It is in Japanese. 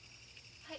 はい。